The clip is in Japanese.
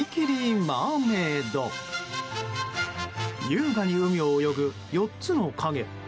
優雅に海を泳ぐ４つの影。